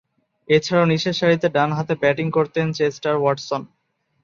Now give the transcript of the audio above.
এছাড়াও, নিচেরসারিতে ডানহাতে ব্যাটিং করতেন চেস্টার ওয়াটসন।